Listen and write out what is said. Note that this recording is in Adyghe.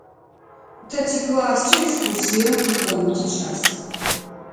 Тэ тикласскӏэ экскурсие тыкӏонэу тикӏас.